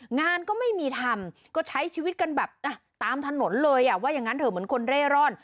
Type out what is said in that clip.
งานก็ไม่มีทำก็ใช้ชีวิตกันแบบตามถนนเลยอ่ะว่าอย่างนั้นเถอะเหมือนคนเร่ร่อน